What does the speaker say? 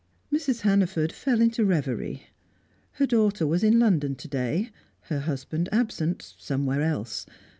Mrs. Hannaford fell into reverie. Her daughter was in London to day, her husband absent somewhere else.